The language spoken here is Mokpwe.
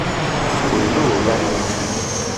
Ò rzô lá.